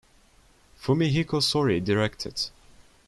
Fumihiko Sori directed.